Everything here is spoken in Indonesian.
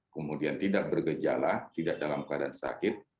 kemudian tidak bergejala tidak dalam keadaan sakit